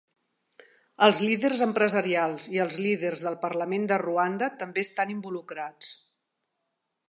Els líders empresarials i els líders del parlament de Ruanda també estan involucrats.